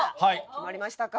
決まりましたか。